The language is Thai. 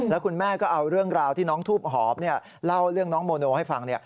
แล้วคุณแม่ก็เอาเรื่องราวที่น้องทูบหอบเล่าเรื่องน้องโมโนให้ฟัง